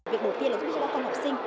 việc đầu tiên là giúp cho các con học sinh